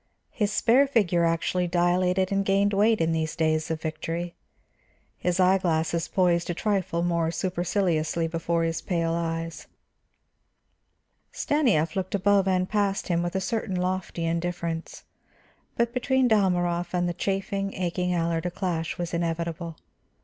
His spare figure actually dilated and gained weight in these days of victory, his eye glasses poised a trifle more superciliously before his pale eyes. Stanief looked above and past him with a certain lofty indifference, but between Dalmorov and the chafing, aching Allard a clash was inevitable.